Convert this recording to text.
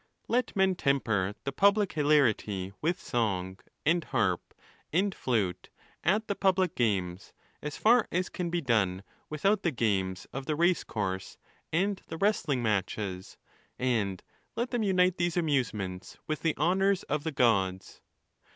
Let men temper the public hilarity with song, and harp, and flute at the public games, as far as can be done without the games of the race course and the wrestling matches, and let them unite these amusements with the honours of the gods.